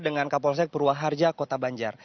dengan kapolsek purwaharja kota banjar